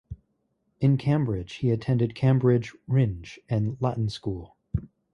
In Cambridge he attended Cambridge Rindge and Latin School.